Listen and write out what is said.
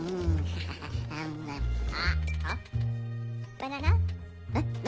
バナナ？